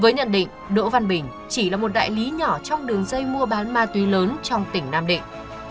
với nhận định đỗ văn bình chỉ là một đại lý nhỏ trong đường dây mua bán ma túy lớn trong tỉnh nam định